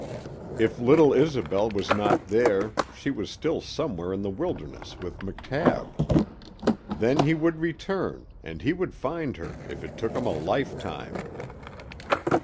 If little Isobel was not there she was still somewhere in the wilderness with McTabb. Then he would return, and he would find her if it took him a lifetime.